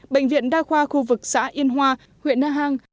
bệnh viện đa khoa khu vực xã yên hoa huyện na hàng